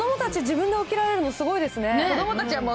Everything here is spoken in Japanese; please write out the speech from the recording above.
子どもたち、自分で起きられるのすごいですね。